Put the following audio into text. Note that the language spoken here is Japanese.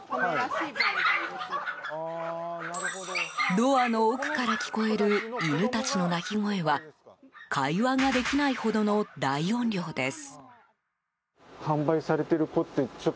ドアの奥から聞こえる犬たちの鳴き声は会話ができないほどの大音量です。